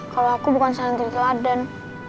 kalau aku bukan santri teladan